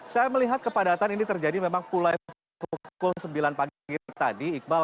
saya melihat kepadatan ini terjadi memang mulai pukul sembilan pagi tadi iqbal